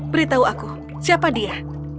beritahu aku siapa dia